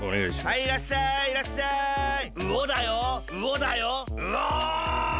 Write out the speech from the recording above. いらっしゃいいらっしゃい！